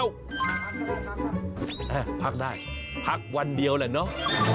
พักได้พักวันเดียวแหละเนอะ